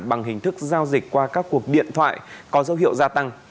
bằng hình thức giao dịch qua các cuộc điện thoại có dấu hiệu gia tăng